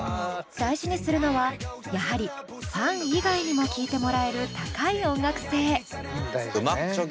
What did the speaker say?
大事にするのはやはりファン以外にも聴いてもらえる高い音楽性。